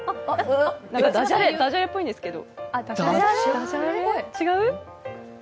ダジャレっぽいんですけど、違う？